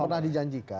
yang pernah dijanjikan